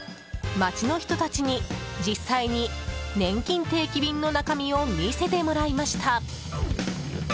街の人たちに実際にねんきん定期便の中身を見せてもらいました。